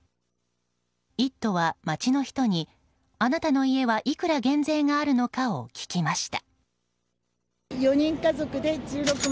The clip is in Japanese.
「イット！」は街の人にあなたの家はいくら減税があるのかを聞きました。